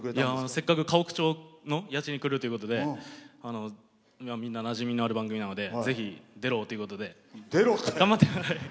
せっかく河北町に来るということでみんななじみのある番組なのでぜひ出ろということで、頑張って。